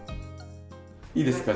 いいですか？